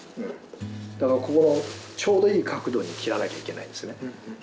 だからここのちょうどいい角度に切らなきゃいけないんですね